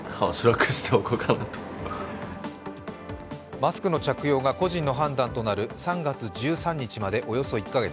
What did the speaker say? マスクの着用が個人の判断となる３月１３日までおよそ１か月。